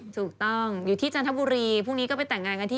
ชื่อนี้ชื่อนี้นะคะ